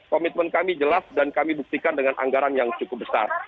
komitmen kami jelas dan kami buktikan dengan anggaran yang cukup besar